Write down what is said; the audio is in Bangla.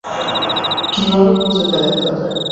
কীভাবে খুঁজে পেলেন তাদের?